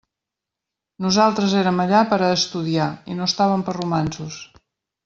Nosaltres érem allà per a estudiar i no estàvem per romanços.